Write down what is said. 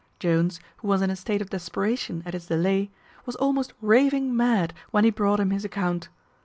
Jones, who was in a state of desperation at his delay, was almost raving mad when he brought him his account.